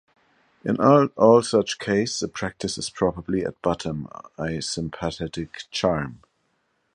In all such cases the practice is probably at bottom a sympathetic charm.